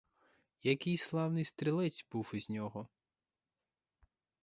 Який славний стрілець був із нього.